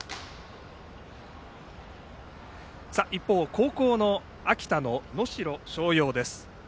一方、後攻の秋田の能代松陽です。